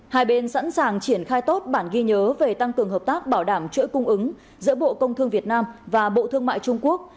hai bên sẵn sàng triển khai tốt bản ghi nhớ về tăng cường hợp tác bảo đảm chuỗi cung ứng giữa bộ công thương việt nam và bộ thương mại trung quốc